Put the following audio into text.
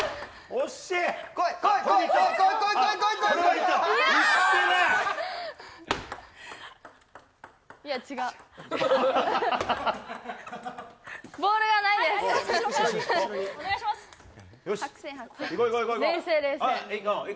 惜しい！